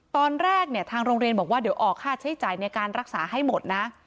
ตอนแรกเนี่ยทางโรงเรียนบอกว่าเดี๋ยวออกค่าใช้จ่ายในการรักษาให้หมดนะ